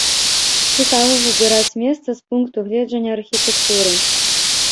Цікава выбіраць месца з пункту гледжання архітэктуры.